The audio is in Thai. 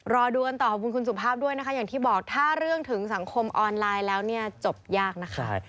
รอดูกันต่อขอบคุณคุณสุภาพด้วยนะคะอย่างที่บอกถ้าเรื่องถึงสังคมออนไลน์แล้วเนี่ยจบยากนะคะ